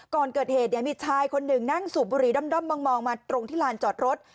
ก่อนเกิดเหตุมีชายคนหนึ่งนั่งสูบบุหรี่ด้อมมองมาตรงที่ลานจอดรถ